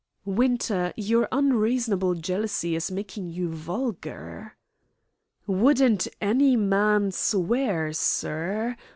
"Winter, your unreasonable jealousy is making you vulgar." "Wouldn't any man swear, sir?